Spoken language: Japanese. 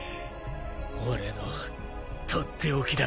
俺の取って置きだ。